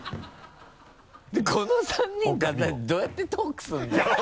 でこの３人どうやってトークするんだよ